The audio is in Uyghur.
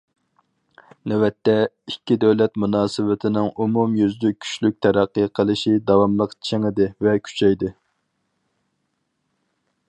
نۆۋەتتە، ئىككى دۆلەت مۇناسىۋىتىنىڭ ئومۇميۈزلۈك كۈچلۈك تەرەققىي قىلىشى داۋاملىق چىڭىدى ۋە كۈچەيدى.